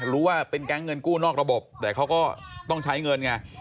รู้ว่าเป็นแก๊งเงินกู้นอกระบบแต่เขาก็ต้องใช้เงินไง